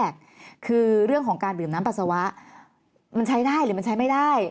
คือเรื่องของการดื่มน้ำปัสสาวะมันใช้ได้หรือมันใช้ไม่ได้